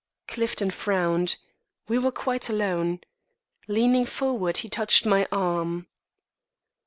Clifton frowned. We were quite alone. Leaning forward, he touched my arm.